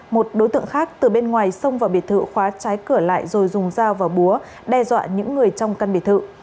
một đối tượng khác từ bên ngoài xông vào biệt thự khóa trái cửa lại rồi dùng dao và búa đe dọa những người trong căn biệt thự